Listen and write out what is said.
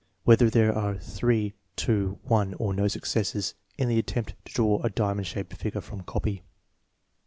Whether there are three, two, one, or no successes in the attempt to draw a diamond shaped figure from copy?